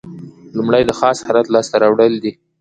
لومړی د خاص حالت لاس ته راوړل دي.